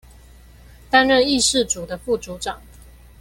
擔任議事組的副組長